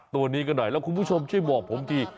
ตัวนี้กันหน่อยแล้วคุณผู้ชมช่วยบอกผมที